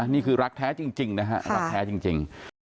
นี่คือรักแท้จริง